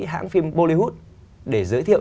hãng phim bollywood để giới thiệu